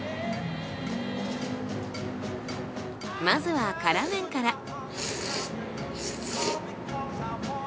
まずは辛麺から。